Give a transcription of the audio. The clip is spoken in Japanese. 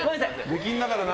出禁だからな。